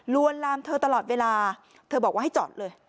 วนลามเธอตลอดเวลาเธอบอกว่าให้จอดเลย